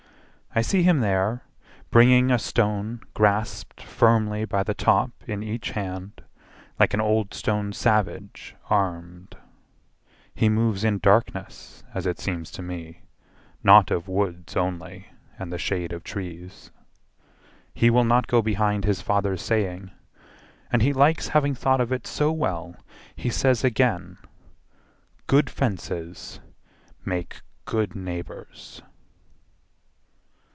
I see him there Bringing a stone grasped firmly by the top In each hand, like an old stone savage armed. He moves in darkness as it seems to me, Not of woods only and the shade of trees. He will not go behind his father's saying, And he likes having thought of it so well He says again, "Good fences make good neighbours."